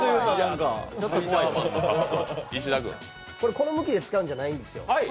この向きで使うんじゃないんですよ。